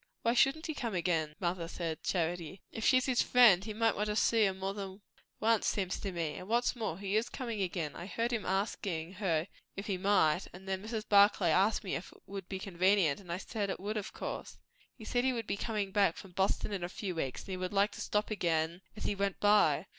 "Why shouldn't he come again, mother?" said Charity. "If she's his friend, he might want to see her more than once, seems to me. And what's more, he is coming again. I heard him askin' her if he might; and then Mrs. Barclay asked me if it would be convenient, and I said it would, of course. He said he would be comin' back from Boston in a few weeks, and he would like to stop again as he went by.